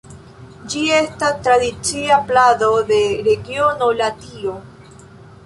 Ĝi estas tradicia plado de regiono Latio.